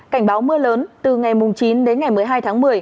cảnh báo mưa lớn từ ngày chín đến ngày một mươi hai tháng một mươi